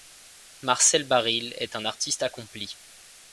Marcel Baril est un artiste accompli.